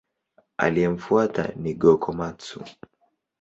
Aliyemfuata ni Go-Komatsu.